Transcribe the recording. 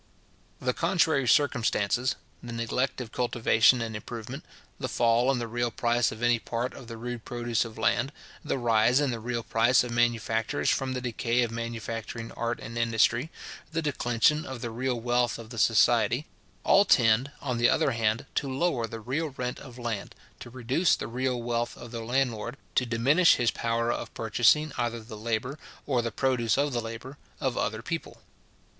The contrary circumstances, the neglect of cultivation and improvement, the fall in the real price of any part of the rude produce of land, the rise in the real price of manufactures from the decay of manufacturing art and industry, the declension of the real wealth of the society, all tend, on the other hand, to lower the real rent of land, to reduce the real wealth of the landlord, to diminish his power of purchasing either the labour, or the produce of the labour, of other people.